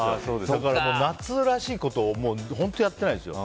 だから、夏らしいことを本当にやってないですよ。